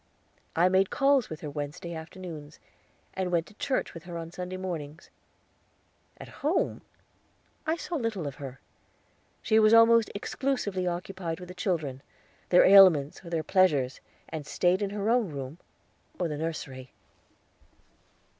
I made calls with her Wednesday afternoons, and went to church with her Sunday mornings. At home I saw little of her. She was almost exclusively occupied with the children their ailments or their pleasures and staid in her own room, or the nursery.